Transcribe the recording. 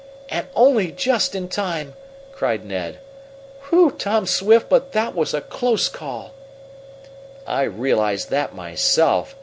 "And only just in time!" cried Ned. "Whew, Tom Swift, but that was a close call!" "I realize that myself!"